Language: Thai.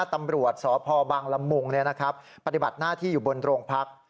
ตำรวจสพบังละมุงปฏิบัติหน้าที่อยู่บนโรงพัก